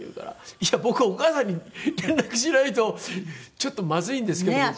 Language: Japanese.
「いや僕お母さんに連絡しないとちょっとまずいんですけど」。